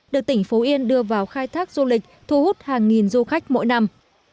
được tỉnh phú yên đưa vào khai thác du lịch thu hút hàng nghìn du khách mỗi năm